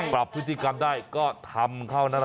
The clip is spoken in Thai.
ปรับพฤติกรรมได้ก็ทำคราวนั้น